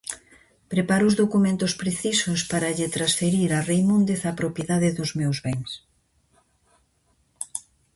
Prepare os documentos precisos para lle transferir a Reimúndez a propiedade dos meus bens.